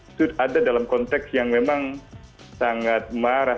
itu ada dalam konteks yang memang sangat marah